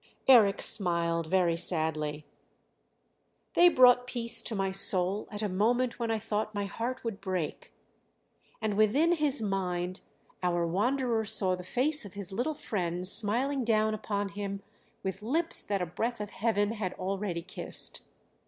Eric smiled very sadly. "They brought peace to my soul at a moment when I thought my heart would break"; and within his mind our wanderer saw the face of his little friend smiling down upon him with lips that a breath of Heaven had already kissed.